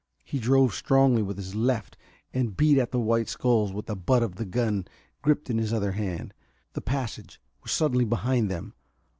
He drove strongly with his left and beat at the white skulls with the butt of the gun gripped in his other hand. The passage was suddenly behind them.